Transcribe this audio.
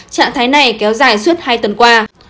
trạng thái này kéo dài suốt hai tuần qua